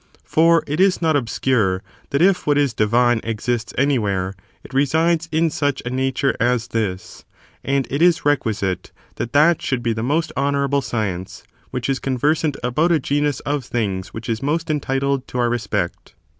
For it is not obscure that if what is divine^ exists anywhere, it resides in such a nature as this ; and it is requisite that that should be the most honourable science which is conversant about a genus of things which is most entitled to our respect.